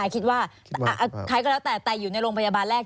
ใครก็แล้วแต่อยู่ในโรงพยาบาลแรก